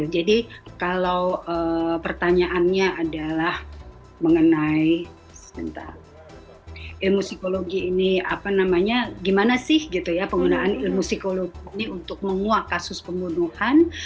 jadi kalau pertanyaannya adalah mengenai ilmu psikologi ini gimana sih gitu ya penggunaan ilmu psikologi untuk menguak kasus pembunuhan